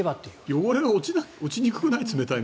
汚れが落ちにくくない？